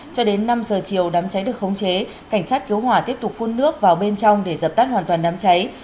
cho đến năm giờ chiều đám cháy được khống chế cảnh sát cứu hỏa tiếp tục phun nước vào bên trong để dập tắt hoàn toàn đám cháy